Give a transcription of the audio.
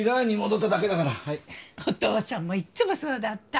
お父さんもいっつもそうだった。